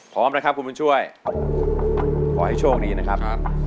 พร้อมนะครับคุณบุญช่วยขอให้โชคดีนะครับ